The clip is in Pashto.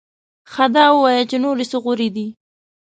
ښه دا ووایه چې نورې څه غورې دې؟